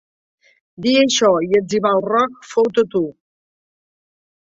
Dir això i etzibar el roc fou tot u.